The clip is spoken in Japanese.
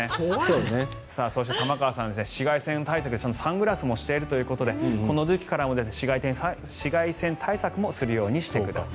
そして、玉川さん紫外線対策でサングラスもしているということでこの時期から紫外線対策もするようにしてください。